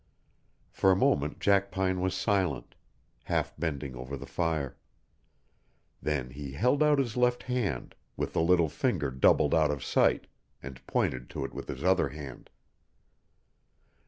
For a moment Jackpine was silent, half bending over the fire. Then he held out his left hand, with the little finger doubled out of sight, and pointed to it with his other hand.